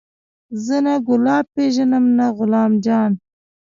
زه نه ګلاب پېژنم نه غلام جان.